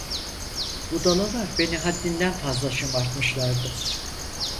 Budalalar beni haddinden fazla şımartmışlardı.